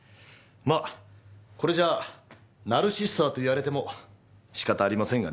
まあこれじゃナルシストだと言われても仕方ありませんがね。